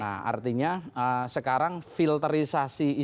nah artinya sekarang filterisasi isu isu yang berkembang di dunia